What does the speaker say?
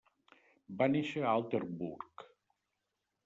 Va néixer a Altenburg.